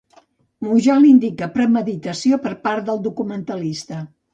Mujal indica premeditació per part del documentalista.